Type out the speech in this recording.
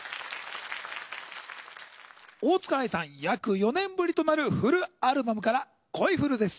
大塚愛さん約４年ぶりとなるフルアルバムから『恋フル』です。